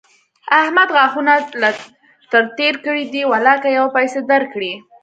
احمد غاښونه تر له تېر کړي دي؛ ولاکه يوه پيسه در کړي.